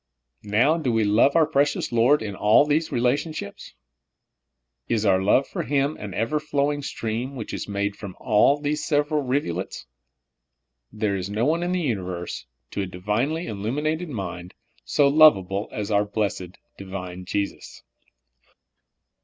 Now do we love our precious Lord in all these relationships ! Is our love for Him an ever flowing stream, which is made up from all these vSeveral rivulets? There is no one in the universe, to a divinely illuminated mind, so lovable as our blessed, Divine Jesus.